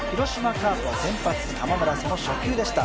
カープは先発、玉村その初球でした。